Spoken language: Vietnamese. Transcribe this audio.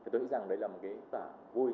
tôi nghĩ rằng đấy là một cái giả vui